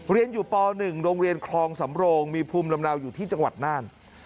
เรียนอยู่ป๑โรงเรียนคลองสำโรงมีภูมิลำเนาอยู่ที่จังหวัดน่าน